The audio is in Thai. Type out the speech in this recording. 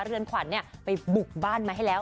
เรือนขวัญไปบุกบ้านมาให้แล้ว